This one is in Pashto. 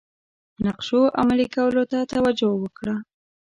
نقشو عملي کولو ته توجه وکړه.